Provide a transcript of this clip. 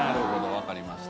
わかりました。